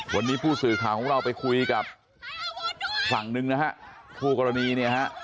วันนี้ผู้สื่อข่าวของเราไปคุยกับฝั่งหนึ่งนะฮะคู่กรณีเนี่ยฮะ